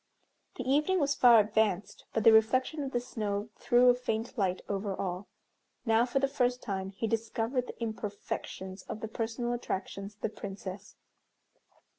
The evening was far advanced, but the reflection of the snow threw a faint light over all. Now, for the first time, he discovered the imperfections of the personal attractions of the Princess.